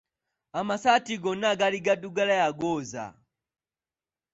Amasaati gonna agaali gaddugala yagooza.